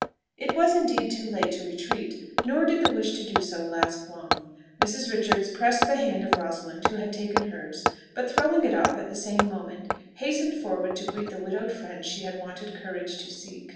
It was indeed too late to retreat; nor did the wish to do so last long. Mrs. Richards pressed the hand of Rosalind, who had taken hers, but, throwing it off at the same moment, hastened forward to greet the widowed friend she had wanted courage to seek.